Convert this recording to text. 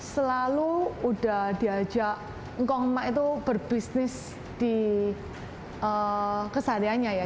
selalu udah diajak ngkong emak itu berbisnis di kesahariannya ya